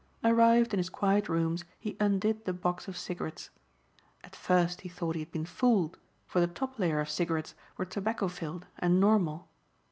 Arrived in his quiet rooms he undid the box of cigarettes. At first he thought he had been fooled for the top layer of cigarettes were tobacco filled and normal.